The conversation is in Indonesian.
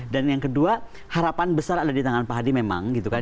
dan yang kedua harapan besar ada di tangan pak hadi memang gitu kan